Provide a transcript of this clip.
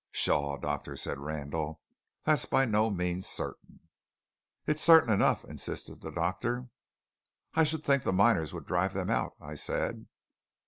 "Pshaw, Doctor," said Randall, "that's by no means certain." "It's certain enough," insisted the doctor. "I should think the miners would drive them out," I said.